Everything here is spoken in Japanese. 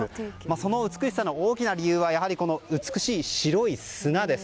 その美しさの大きな理由は美しい白い砂です。